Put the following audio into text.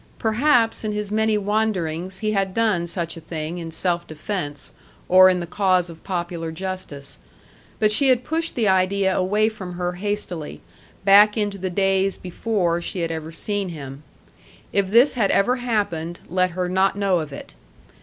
Perhaps in his many wanderings he had done such a thing in self defence, or in the cause of popular justice. But she had pushed the idea away from her hastily, back into the days before she had ever seen him. If this had ever happened, let her not know of it.